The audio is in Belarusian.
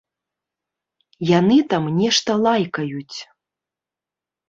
Яны там нешта лайкаюць.